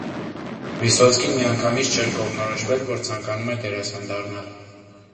Վիսոցկին միանգամից չէր կողմնորոշվել, որ ցանկանում է դերասան դառնալ։